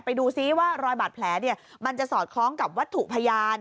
ไปดูซิว่ารอยบาดแผลมันจะสอดคล้องกับวัตถุพยาน